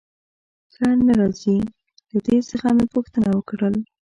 ښه نه راځي، له ده څخه مې پوښتنه وکړل.